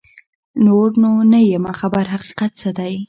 نور نو نه یمه خبر حقیقت څه دی